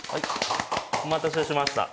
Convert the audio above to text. お待たせしました。